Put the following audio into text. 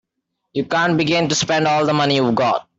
You can't begin to spend all the money you've got.